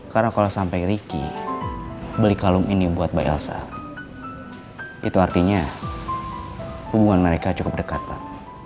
karena kalau sampai ricky beli kalung ini buat mbak elsa itu artinya hubungan mereka cukup dekat pak